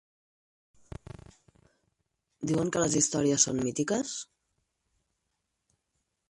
Diuen que les històries són mítiques?